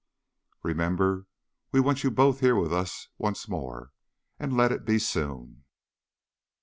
Remember we want you both here with us once more, and let it be soon.